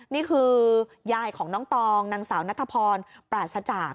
นี่คือยายของน้องตองนางสาวนัทพรปราศจาก